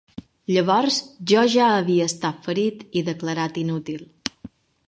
Llavors jo ja havia estat ferit i declarat inútil.